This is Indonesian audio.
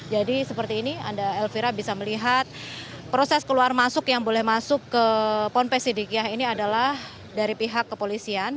jadi seperti ini anda elvira bisa melihat proses keluar masuk yang boleh masuk ke pond pesidikiah ini adalah dari pihak kepolisian